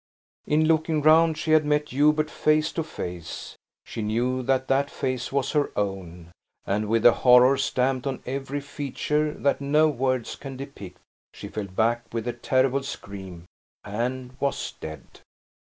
In looking round, she had met Hubert face to face. She knew that that face was her own; and, with a horror stamped on every feature that no words can depict, she fell back, with a terrible scream and was dead!